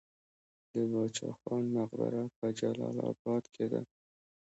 د باچا خان مقبره په جلال اباد کې ده